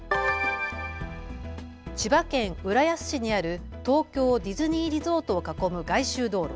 千葉県浦安市にある東京ディズニーリゾートを囲む外周道路。